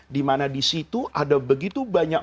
dimana disitu ada begitu banyak